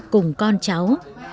cùng con cháu